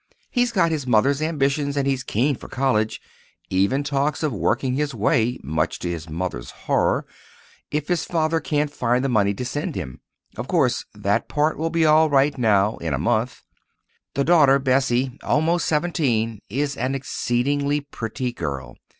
He's got his mother's ambitions, and he's keen for college—even talks of working his way (much to his mother's horror) if his father can't find the money to send him. Of course, that part will be all right now—in a month. The daughter, Bessie (almost seventeen), is an exceedingly pretty girl.